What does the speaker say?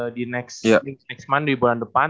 di next month di bulan depan